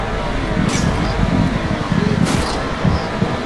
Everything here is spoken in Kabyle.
Yegra-d mmi-s ad yemdegger d wussan-is.